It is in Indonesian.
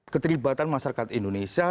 ketelibatan masyarakat indonesia